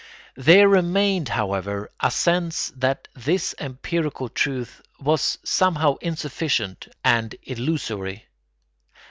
There remained, however, a sense that this empirical truth was somehow insufficient and illusory.